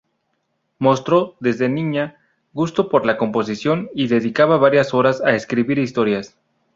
Mostró, desde niña, gusto por la composición y dedicaba varias horas a escribir historias.